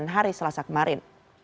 pada persidangan hari selasa kemarin